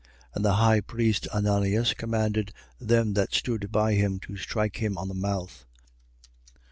23:2. And the high priest, Ananias, commanded them that stood by him to strike him on the mouth.